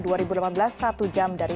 satu jam dari setiap hari